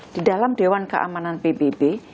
di dalam dewan keamanan pbb